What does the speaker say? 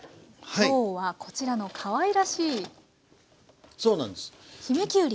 今日はこちらのかわいらしい姫きゅうり。